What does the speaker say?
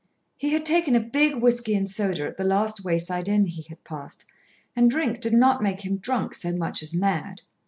He had taken a big whiskey and soda at the last wayside inn he had passed, and drink did not make him drunk so much as mad.